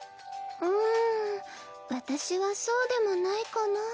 うん私はそうでもないかな。